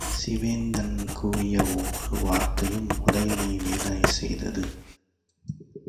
சிவேதன் கூறிய ஒவ்வொரு வார்த்தையும் உதயணனை வேதனை செய்தது.